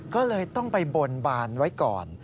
ก็เลยต้องไปบนบานไว้ก่อน